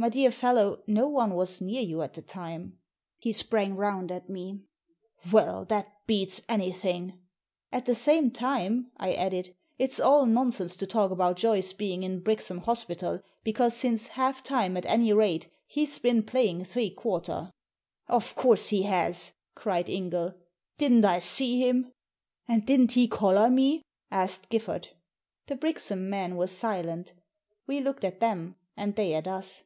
My dear fellow, no one was near you at the time." He sprang round at me. « Well, that beats anything !" "At the same time," I added, "it's all nonsense to talk about Joyce being in Brixham hospital, because, since half time at any rate, he's been play ing three quarter." " Of course he has," cried Ingall. " Didn't I see him?" " And didn't he collar me ?" asked Giffard. The Brixham men were silent We looked at them, and they at us.